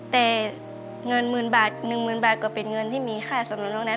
แต่เงิน๑หมื่นบาทก็เป็นเงินที่มีค่าสำนวนตรงนั้น